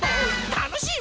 たのしい